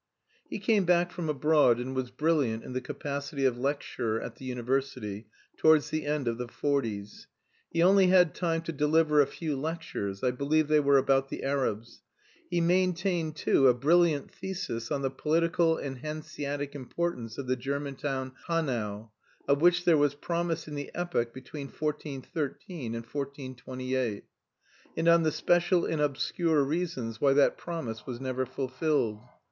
He came back from abroad and was brilliant in the capacity of lecturer at the university, towards the end of the forties. He only had time to deliver a few lectures, I believe they were about the Arabs; he maintained, too, a brilliant thesis on the political and Hanseatic importance of the German town Hanau, of which there was promise in the epoch between 1413 and 1428, and on the special and obscure reasons why that promise was never fulfilled.